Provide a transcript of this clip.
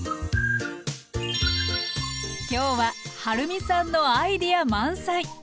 今日ははるみさんのアイデア満載！